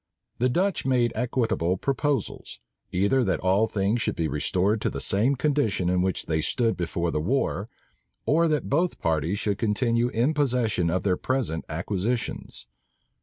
The Dutch made equitable proposals; either that all things should be restored to the same condition in which they stood before the war, or that both parties should continue in possession of their present acquisitions.